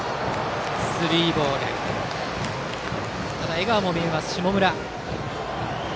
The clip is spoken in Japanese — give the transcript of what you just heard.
笑顔も見えます、下村。